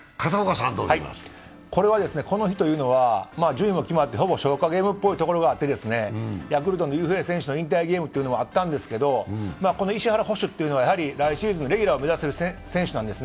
この日というのは順位も決まってほぼ消化系ということもあってヤクルト・雄平選手の引退ゲームということもあったんですけど、石原捕手っていうのは来シーズン、レギュラーを目指してる選手なんです。